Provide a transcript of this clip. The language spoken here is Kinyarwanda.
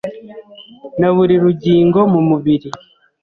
na buri rugingo mu mubiri.